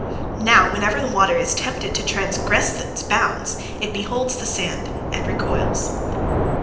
Now, whenever the water is tempted to transgress its bounds, it beholds the sand, and recoils.